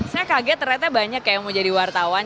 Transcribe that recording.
saya kaget ternyata banyak yang mau jadi wartawan